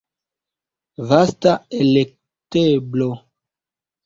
Vasta elekteblo.